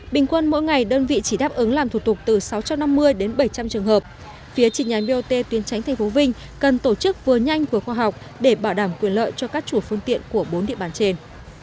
bình quân mỗi ngày đơn vị chỉ đáp ứng làm thủ tục từ sáu trăm năm mươi đến bảy trăm linh trường hợp phía trình nhánh bot tuyến tránh tp vinh cần tổ chức vừa nhanh vừa khoa học để bảo đảm quyền lợi cho các chủ phương tiện của bốn địa bàn trên